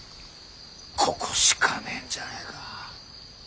ここしかねえんじゃねえか。